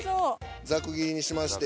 ざく切りにしまして。